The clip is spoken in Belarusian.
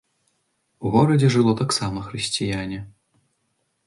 У горадзе жыло таксама хрысціяне.